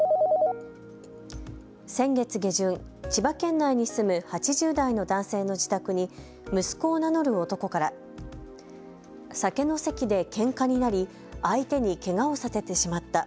先月下旬、千葉県内に住む８０代の男性の自宅に息子を名乗る男から酒の席でけんかになり相手にけがをさせてしまった。